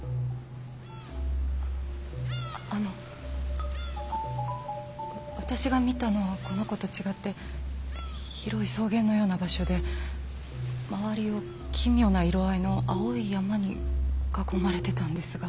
あの私が見たのはこの子と違って広い草原のような場所で周りを奇妙な色合いの青い山に囲まれてたんですが。